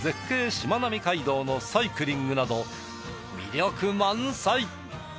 しまなみ海道のサイクリングなど魅力満載！